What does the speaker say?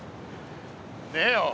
ねえよ。